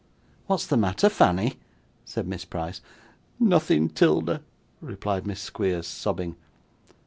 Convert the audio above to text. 'What's the matter, Fanny?' said Miss Price. 'Nothing, 'Tilda,' replied Miss Squeers, sobbing.